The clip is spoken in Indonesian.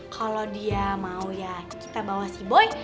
kalau dia mau ya kita bawa sea boy